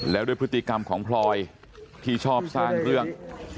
แล้วด้วยพฤติกรรมของพลอยที่ชอบสร้างเรื่อง